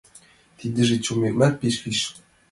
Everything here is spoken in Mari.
Тидыже чонемлан пеш лишыл.